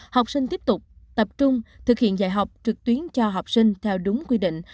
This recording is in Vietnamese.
học sinh tiếp tục tập trung thực hiện dạy học trực tuyến cho học sinh theo đúng quy định